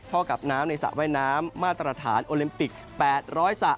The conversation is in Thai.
เข้ากับน้ำในสระว่ายน้ำมาตรฐานโอลิมปิก๘๐๐สระ